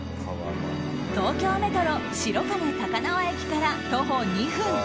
東京メトロ白金高輪駅から徒歩２分。